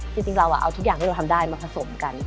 จริงเราเอาทุกอย่างที่เราทำได้มาผสมกัน